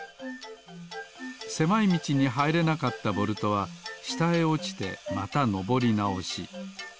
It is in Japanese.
せまいみちにはいれなかったボルトはしたへおちてまたのぼりなおし。